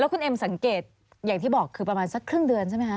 คุณเอ็มสังเกตอย่างที่บอกคือประมาณสักครึ่งเดือนใช่ไหมคะ